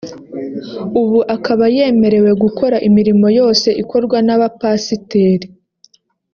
ubu akaba yemerewe gukora imirimo yose ikorwa n’abapasiteri